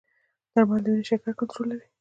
درمل د وینې شکر کنټرولوي.